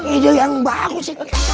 ide yang bagus